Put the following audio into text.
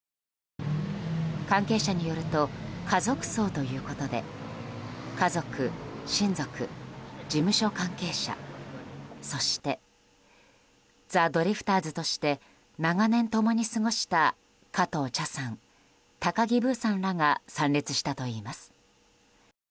関係者によると家族葬ということで家族、親族事務所関係者、そしてザ・ドリフターズとして長年、共に過ごした加藤茶さん、高木ブーさんらが参列したといいます。